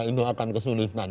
itu akan kesulitan